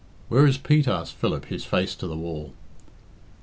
"Where is Pete?" asked Philip, his face to the wall.